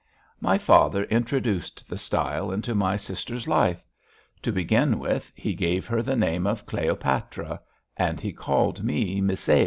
My father introduced the style into my sister's life. To begin with, he gave her the name of Cleopatra (and he called me Misail).